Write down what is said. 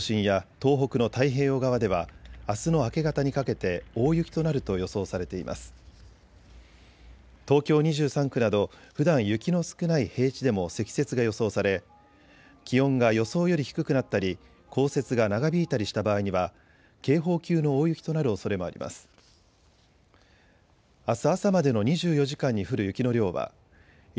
東京２３区などふだん雪の少ない平地でも積雪が予想され気温が予想より低くなったり降雪が長引いたりした場合には警報級の大雪となるおそれもあります。